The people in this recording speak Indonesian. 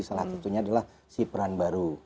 salah satunya adalah sipran baru